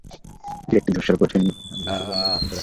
এটি একটি ধূসর বর্ণের কঠিন পদার্থ।